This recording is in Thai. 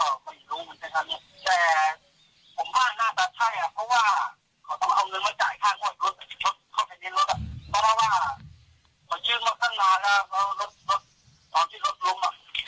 ฝั่งโน้นเขาบอกว่าแม่นไม่น่าจะใช่เลือกเงินหนึ่งพันบาท